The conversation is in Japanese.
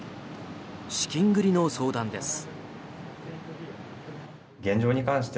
資金繰りの相談です。